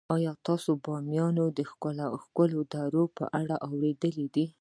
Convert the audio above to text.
آیا تاسو د بامیان د ښکلو درو په اړه اوریدلي دي؟